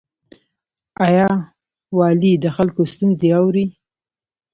آیا والي د خلکو ستونزې اوري؟